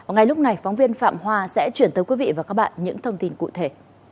ngay lúc này phóng viên phạm hoa sẽ chuyển tới quý vị và các bạn những thông tin cụ thể